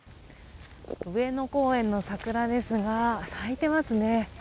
上野公園の桜ですが咲いてますね。